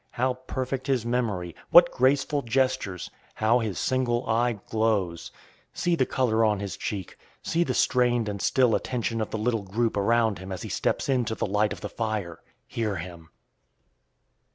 How perfect his memory! What graceful gestures! How his single eye glows! See the color on his cheek! See the strained and still attention of the little group around him as he steps into the light of the fire! Hear him!